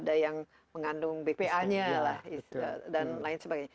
ada yang mengandung bpa nya dan lain sebagainya